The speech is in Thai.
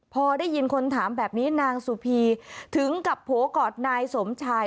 พอได้ยินคนถามแบบนี้นางสุพีถึงกับโผล่กอดนายสมชาย